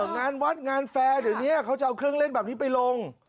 งานวัดงานแฟร์เดี๋ยวนี้เขาจะเอาเครื่องเล่นแบบนี้ไปลง